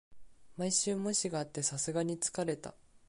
毎週、模試があってさすがに疲れた